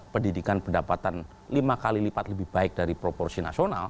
pendidikan pendapatan lima kali lipat lebih baik dari proporsi nasional